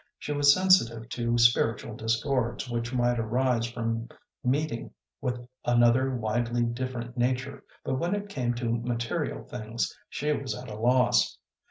She was sensitive to spiritual discords which might arise from meeting with another widely different nature, but when it came to material things, she was at a loss.